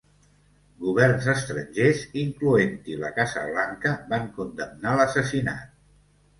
Governs Estrangers, incloent-hi la Casa Blanca, van condemnar l'assassinat.